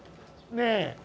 ねえ！